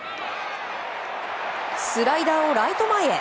スライダーをライト前へ。